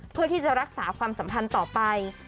เพื่อที่จะรักษาความสัมพันธ์ต่อไป